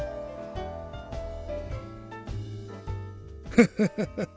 フフフフフ。